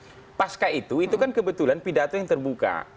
pada saat itu itu kan kebetulan pidato yang terbuka